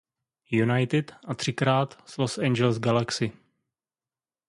United a třikrát s Los Angeles Galaxy.